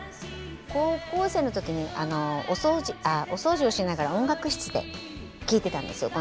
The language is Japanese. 高校生の時にお掃除をしながら音楽室で聴いてたんですよ。